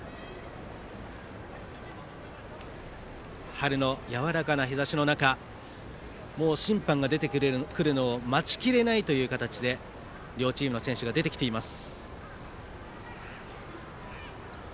春のやわらかな日ざしの中もう審判が出てくるのを待ちきれないという形で両チームの選手が出てきています。